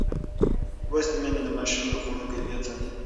لوستې میندې د ماشوم د خوړو کیفیت ساتي.